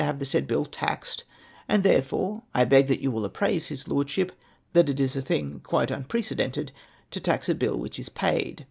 have the said bill taxed, and therefore I beg that you will apprise his Lordship that it is a thing quite un precedented to tax a bill which is paid.